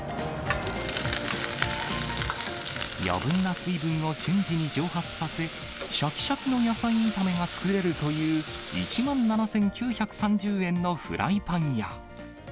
余分な水分を瞬時に蒸発させ、しゃきしゃきの野菜炒めが作れるという１万７９３０円のフライパンや。